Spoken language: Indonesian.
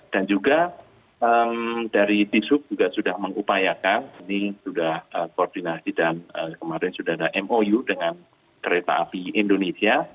dan juga dari tisuk juga sudah mengupayakan ini sudah koordinasi dan kemarin sudah ada mou dengan kereta api indonesia